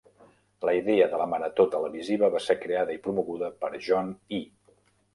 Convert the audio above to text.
La idea de la marató televisiva va ser creada i promoguda per John Y.